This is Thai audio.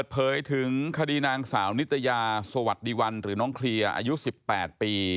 เผยถึงคดีนางสาวนิตยาสวัสดีวันหรือน้องเคลียร์อายุ๑๘ปี